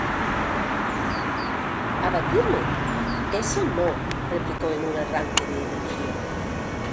¿Abatirme? ¡Eso no! replicó en un arranque de energía.